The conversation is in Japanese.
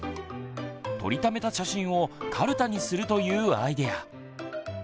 撮りためた写真をカルタにするというアイデア。